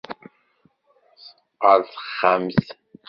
Ɣer texxamt.